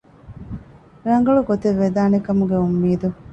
ރަނގަޅު ގޮތެއް ވެދާނެ ކަމުގެ އުންމީދު